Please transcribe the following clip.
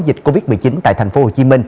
dịch covid một mươi chín tại tp hcm